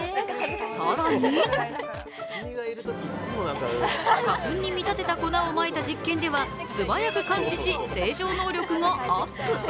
更に花粉に見立てた粉をまいた実験では素早く感知し清浄能力がアップ。